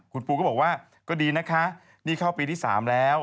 คุณปูก็บอกว่าก็ดีนะคะนี่เข้าปีที่๓แล้ว